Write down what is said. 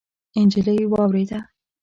نجلۍ واورېده.